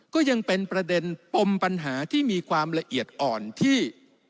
ก็ยังเป็นประเด็นปมปัญหาที่มีความละเอียดอ่อนที่